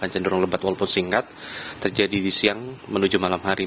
cenderung lembat walaupun singkat terjadi di siang menuju malam hari